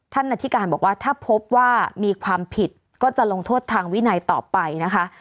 นาธิการบอกว่าถ้าพบว่ามีความผิดก็จะลงโทษทางวินัยต่อไปนะคะ